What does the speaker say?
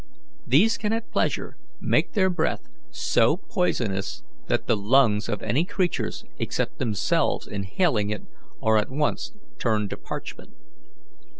These can at pleasure make their breath so poisonous that the lungs of any creatures except themselves inhaling it are at once turned to parchment.